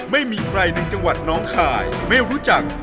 ไม่มีใครในจังหวัดน้องคายไม่รู้จัก